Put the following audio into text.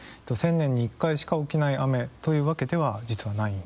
１０００年に１回しか起きない雨というわけでは実はないんです。